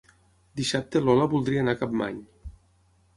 Dissabte na Lola voldria anar a Capmany.